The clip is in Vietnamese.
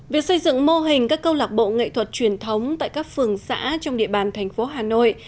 việc xây dựng mô hình các câu lạc bộ nghệ thuật truyền thống tại các phường xã trong địa bàn thành phố hà nội